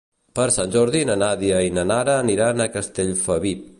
Per Sant Jordi na Nàdia i na Nara aniran a Castellfabib.